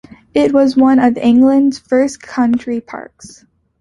It was one of England's first country parks.